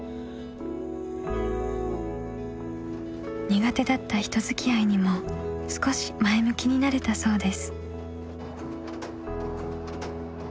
苦手だった人づきあいにも少し前向きになれたそうです。